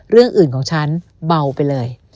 เรื่องอื่นของฉันเบาไปเลย